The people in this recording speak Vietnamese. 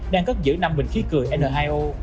đang cất giữ năm bình khí cười n hai o